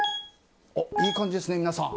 いい感じですね、皆さん。